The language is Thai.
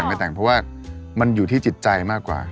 ไม่แต่งเพราะว่ามันอยู่ที่จิตใจมากกว่า